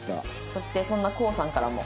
そしてそんな航さんからも。